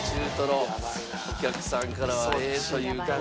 お客さんからは「ええー」という声。